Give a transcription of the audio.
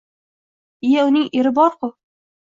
Iya, uning eri bor-g‘u